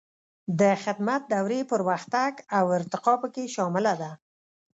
د خدمت دورې پرمختګ او ارتقا پکې شامله ده.